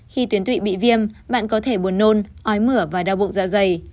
khi tuyến tụy bị viêm bạn có thể buồn nôn ói mửa và đau bụng dạ dày